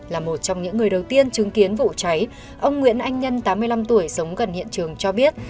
là một trong những người đầu tiên chứng kiến vụ cháy ông nguyễn anh nhân tám mươi năm tuổi sống gần hiện trường cho biết